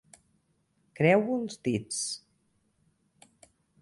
Creuo els dits!